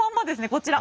こちら。